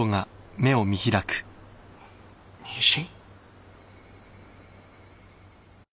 妊娠？